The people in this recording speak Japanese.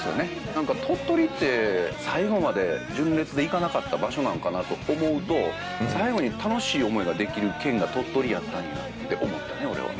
なんか、鳥取って、最後まで純烈で行かなかった場所なのかなと思うと、最後に楽しい思いができる県が鳥取やったんやって思った、俺は。